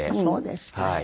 そうですか。